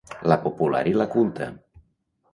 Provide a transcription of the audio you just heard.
La popular i la culta.